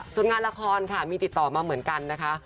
ส่วนงานละครค่ะมีติดต่อมาเหมือนกันนะคะ